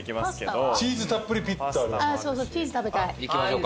そうそうチーズ食べたい。